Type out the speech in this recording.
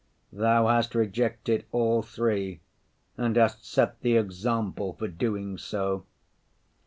Thou hast rejected all three and hast set the example for doing so.